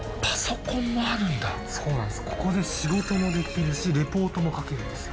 ここで仕事もできるしレポートも書けるんですよ。